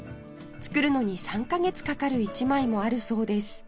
作るのに３カ月かかる１枚もあるそうです